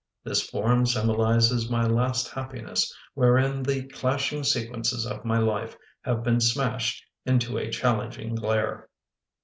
" This form symbolises my last happiness, wherein the clashing sequences of my life have been smashed to a challenging glare.